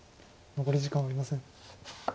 残り時間はありません。